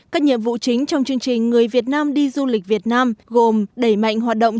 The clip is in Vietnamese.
các nhiệm vụ chính trong chương trình người việt nam đi du lịch việt nam gồm đẩy mạnh hoạt động